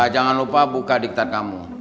jangan lupa buka diktat kamu